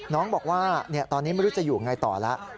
น้องบอกว่าตอนนี้ไม่รู้จะอยู่ไงต่อแล้ว